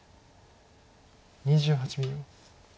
２８秒。